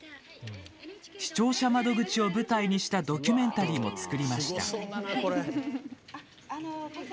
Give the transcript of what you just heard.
視聴者窓口を舞台にしたドキュメンタリーも作りました。